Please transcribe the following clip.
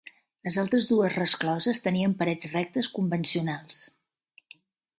Les altres dues rescloses tenien parets rectes convencionals.